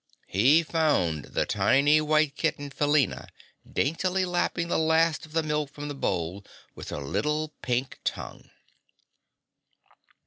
He found the tiny White Kitten Felina daintily lapping the last of the milk from the bowl with her little, pink tongue.